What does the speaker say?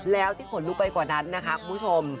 แล้วที่ขนลุกไปกว่านั้นนะคะคุณผู้ชม